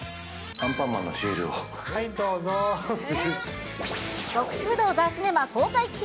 アンパンマンのシールを、はい、どうぞーって。